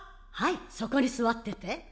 はいそこに座ってて。